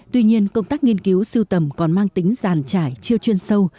tuy nhiên công tác nghiên cứu siêu tầm còn mang tính giàn trải chưa chuyên sâu